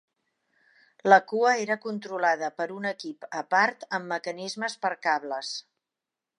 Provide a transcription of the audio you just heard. La cua era controlada per un equip a part amb mecanismes per cables.